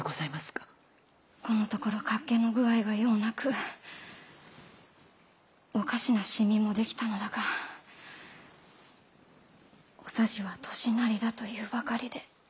このところ脚気の具合がようなくおかしなシミもできたのだがお匙は「年なり」だと言うばかりで。